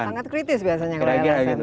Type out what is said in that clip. sangat kritis biasanya kalau lsm